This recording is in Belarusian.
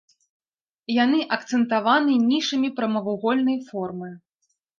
Яны акцэнтаваны нішамі прамавугольнай формы.